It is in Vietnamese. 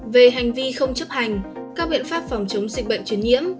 về hành vi không chấp hành các biện pháp phòng chống dịch bệnh truyền nhiễm